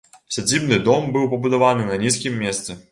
Сядзібны дом быў пабудаваны на нізкім месцы.